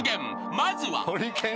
まずは］